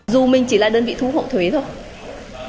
dù mình chỉ là đơn vị thu hộ thuế thôi